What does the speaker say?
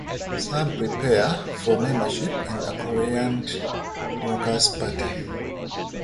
Some prepare for membership in the Korean Workers' Party.